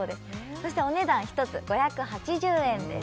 そしてお値段１つ５８０円です